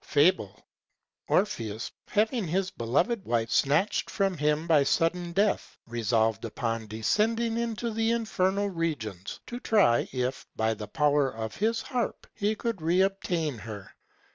FABLE.—Orpheus having his beloved wife snatched from him by sudden death, resolved upon descending to the infernal regions, to try if, by the power of his harp, he could reobtain her.